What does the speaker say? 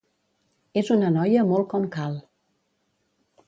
És una noia molt com cal.